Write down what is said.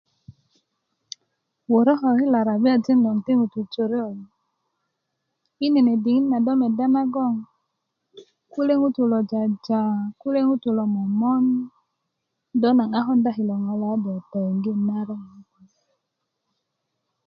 Wörö ko kilo arabiajin loŋ ti ŋutu jore kulo i nene diŋit na do medda nagoŋ kule' ŋutuu kulo jaja kule' ŋutuu kulo momon do na a konda kilo ŋo' na a do toyiŋgi naron